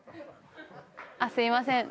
あっすいません。